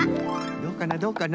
どうかなどうかな？